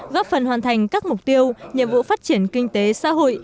góp phần hoàn thành các mục tiêu nhiệm vụ phát triển kinh tế xã hội